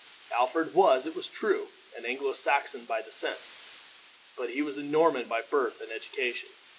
Alfred was, it was true, an Anglo Saxon by descent, but he was a Norman by birth and education.